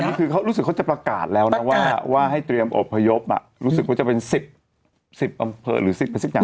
อันนี้คือเขารู้สึกเขาจะประกาศแล้วนะว่าให้เตรียมอบพยพรู้สึกว่าจะเป็น๑๐๑๐อำเภอหรือ๑๐อย่าง